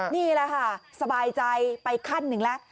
นี่แหละค่ะสบายใจไปขั้นหนึ่งแล้ว